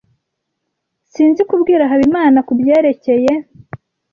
Sinzi kubwira Habimana kubyerekeye.